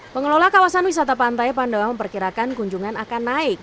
pengelola kawasan wisata pantai pandowa memperkirakan kunjungan akan naik